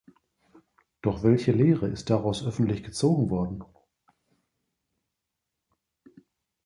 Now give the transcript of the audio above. Doch welche Lehre ist daraus öffentlich gezogen worden?